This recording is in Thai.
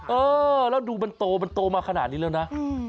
เออแล้วดูมันโตมันโตมาขนาดนี้แล้วนะ